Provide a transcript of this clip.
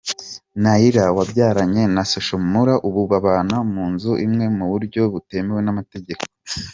Nailla wabyaranye na Social Mula ubu babana mu nzu imwe muburyo butemewe n’amategeko.